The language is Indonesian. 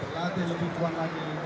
tadi ada sekeparis mu